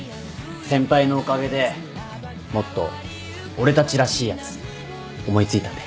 先輩のおかげでもっと俺たちらしいやつ思い付いたんで。